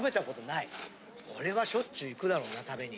これはしょっちゅう行くだろうな食べに。